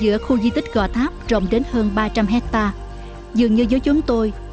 đi giữa khu di tích gò tháp rộng đến hơn ba trăm linh hecta dường như với chúng tôi